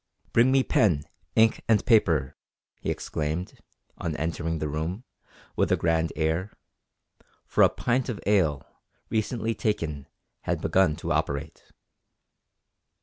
"Bring me pen, ink, and paper!" he exclaimed, on entering the room, with a grand air for a pint of ale, recently taken, had begun to operate.